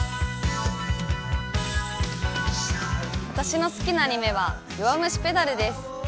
私の好きなアニメは「弱虫ペダル」です。